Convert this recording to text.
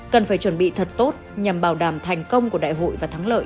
cần phải chuẩn bị thật tốt nhằm bảo đảm thành công của đại hội và thắng lợi